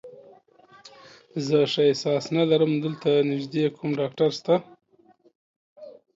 زه ښه احساس نه لرم، دلته نږدې کوم ډاکټر شته؟